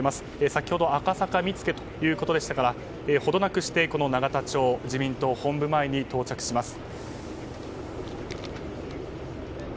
先ほど赤坂見附ということでしたからほどなくして、永田町自民党本部に到着します。